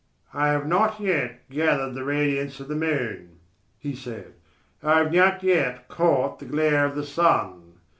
"I have not yet gathered the radiance of the moon," he said; "I have not yet caught the glare of the sun.